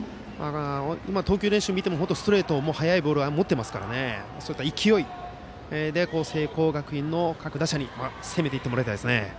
今、投球練習を見ても速いストレートを持っていますからそういった勢いで聖光学院の各打者に攻めて行ってもらいたいですね。